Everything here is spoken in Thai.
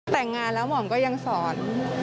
แต่งงานแล้วหม่อมก็ยังสอน